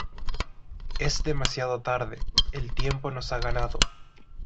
Es demasiado tarde, el tiempo nos ha ganado.